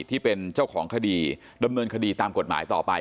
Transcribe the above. ที่เป็นเจ้าของคดีดำเนินคดีตามกฎหมายต่อไป